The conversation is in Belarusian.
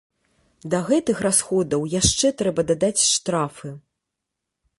Да гэтых расходаў яшчэ трэба дадаць штрафы.